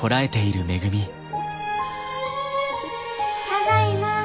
・ただいま。